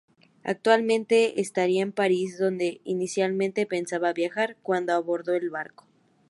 Actualmente estaría en París, donde inicialmente pensaba viajar, cuando abordó el barco.